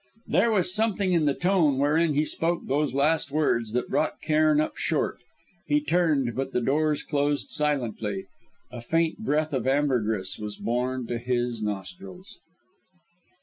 There was something in the tone wherein he spoke those last words that brought Cairn up short. He turned, but the doors closed silently. A faint breath of ambergris was borne to his nostrils.